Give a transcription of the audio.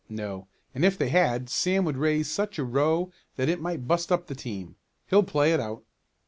"No, and if they had Sam would raise such a row that it might bust up the team. He'll play it out."